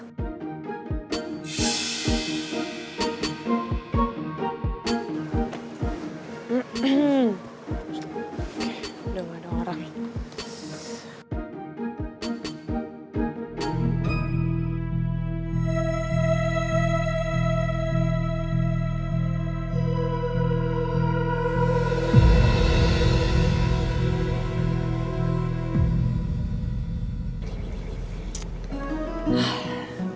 udah ga ada orang